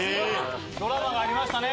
ドラマがありましたね